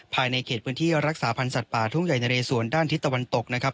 ภายในเขตพื้นที่รักษาพันธ์สัตว์ป่าทุ่งใหญ่นะเรสวนด้านทิศตะวันตกนะครับ